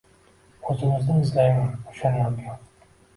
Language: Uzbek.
O’zimni izlayman o’shandan buyon».